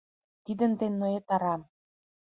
Тидын ден ноет арам».